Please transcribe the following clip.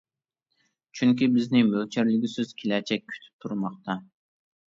چۈنكى بىزنى مۆلچەرلىگۈسىز كېلەچەك كۈتۈپ تۇرماقتا.